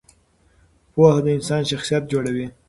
پوهه د انسان شخصیت جوړوي.